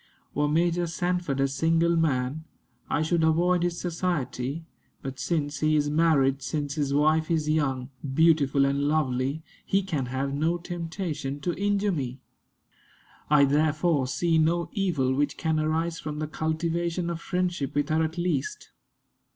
Were Major Sanford a single man, I should avoid his society; but since he is married, since his wife is young, beautiful, and lovely, he can have no temptation to injure me. I therefore see no evil which can arise from the cultivation of friendship with her at least.